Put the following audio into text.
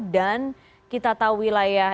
dan kita tahu wilayah